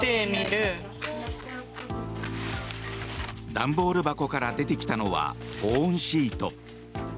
段ボール箱から出てきたのは保温シート。